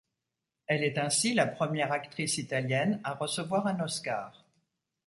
Elle est ainsi la première actrice italienne à recevoir un Oscar.